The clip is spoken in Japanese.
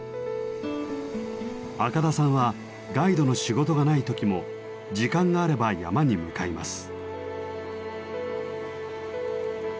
赤田さんはガイドの仕事がない時も時間があれば山に向かいます。